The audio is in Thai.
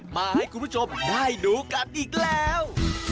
มาให้คุณผู้ชมได้ดูกันอีกแล้ว